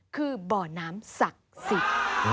คือบ่อน้ำศักดิ์สิทธิ์